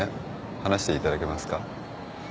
話していただけますか。